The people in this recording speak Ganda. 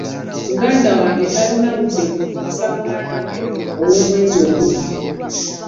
Muganda wange talina budde buyonsa mwana we ow'omwezi ogumu.